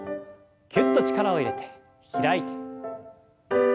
キュッと力を入れて開いて。